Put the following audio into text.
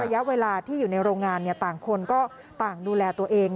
ระยะเวลาที่อยู่ในโรงงานต่างคนก็ต่างดูแลตัวเอง